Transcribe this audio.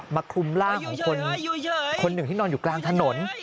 คลุมร่างของคนหนึ่งที่นอนอยู่กลางถนน